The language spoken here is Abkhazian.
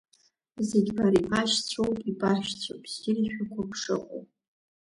Зегь бара ибашьцәоуп, ибаҳәшьцәоуп, ссиршәақәоуп бшыҟоу!